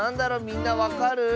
みんなわかる？